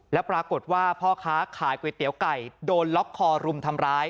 แล้วปรากฏว่าพ่อค้าขายก๋วยเตี๋ยวไก่โดนล็อกคอรุมทำร้าย